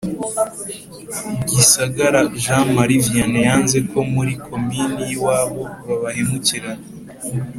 Gisagara Jean Marie Vianney yanze ko muri Komini yiwabo babahemukira